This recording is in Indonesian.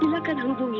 bilangkan hubungi aku